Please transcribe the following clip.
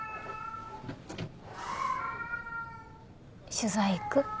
取材行く？